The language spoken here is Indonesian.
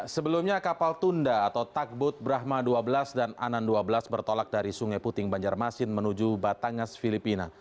sebelumnya kapal tunda atau takbut brahma dua belas dan anan dua belas bertolak dari sungai puting banjarmasin menuju batangas filipina